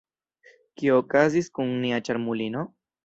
Kio okazis kun nia ĉarmulino?